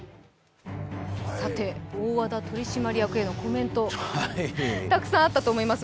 大和田取締役へのコメント、たくさんあったと思います。